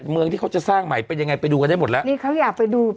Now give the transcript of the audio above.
เมืองที่เขาจะสร้างใหม่เป็นยังไงไปดูกันได้หมดแล้วนี่เขาอยากไปดู